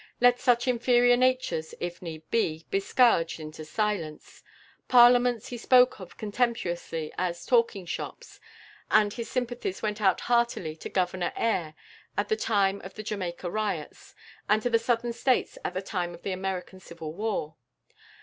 Let such inferior natures, if need be, be scourged into silence. Parliaments he spoke of contemptuously as "talking shops," and his sympathies went out heartily to Governor Eyre at the time of the Jamaica riots, and to the Southern States at the time of the American Civil War.